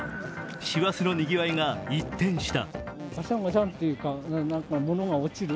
師走のにぎわいが、一転した。